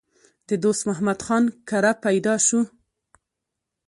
د دوست محمد خان کره پېدا شو